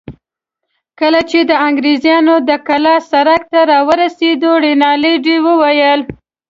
کله چې د انګرېزانو د کلا سړک ته راورسېدو، رینالډي وویل.